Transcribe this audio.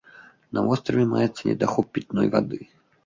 На востраве маецца недахоп пітной вады.